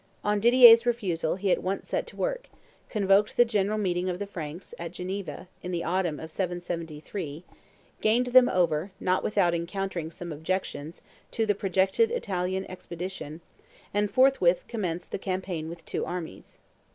On Didier's refusal he at once set to work, convoked the general meeting of the Franks, at Geneva, in the autumn of 773, gained them over, not without encountering some objections, to the projected Italian expedition, and forthwith commenced the campaign with two armies.